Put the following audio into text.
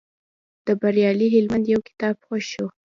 د بریالي هلمند یو کتاب خوښ شو.